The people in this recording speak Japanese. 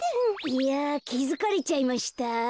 いやきづかれちゃいました？